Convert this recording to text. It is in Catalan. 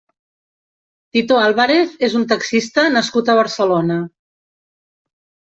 Tito Álvarez és un taxista nascut a Barcelona.